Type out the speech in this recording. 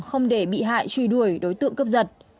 không để bị hại truy đuổi đối tượng cướp giật